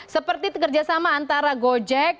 seperti kerjasama antara gojek